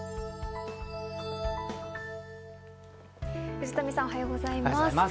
藤富さん、おはようございます。